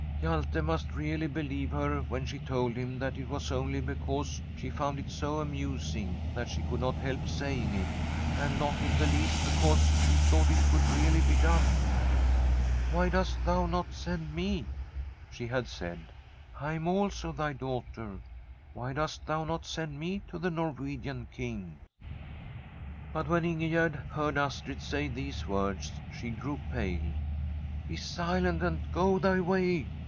* Hjalte must really believe her when she told him that it was only because she found it so amusing that she could not help saying it, and not in the least because she thought it could really be done. '" Why dost thou not send me ?" she had said. " I am also thy daughter. Why dost thou not send me to the Norwegian King ?"' But when Ingegerd heard Astrid say these words, she grew pale. *" Be silent, and go thy way